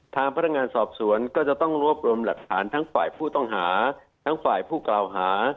ทางพนักงานสอบสวนก็จะต้องรวบรวมหลักฐานทั้งฝ่ายผู้ต้องหาทั้งฝ่ายผู้กล่าวหา